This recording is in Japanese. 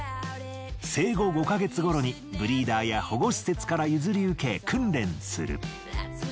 生後５ヵ月頃にブリーダーや保護施設から譲り受け訓練する。